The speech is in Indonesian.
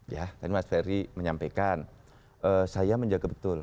ya tadi mas ferry menyampaikan saya menjaga betul